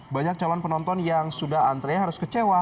banyak calon penonton yang sudah antre harus kecewa